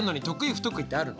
不得意ってあるの？